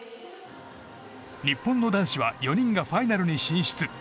日本の男子は４人がファイナルに進出。